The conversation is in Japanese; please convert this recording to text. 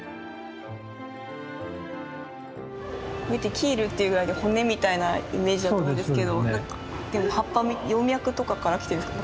キールっていうぐらいで骨みたいなイメージだと思うんですけど葉っぱ葉脈とかからきてるんですか？